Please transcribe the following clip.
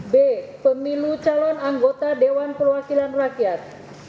b pemilu calon anggota dewan perwakilan rakyat